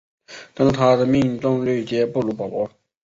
但是它们的命中率皆不如保罗。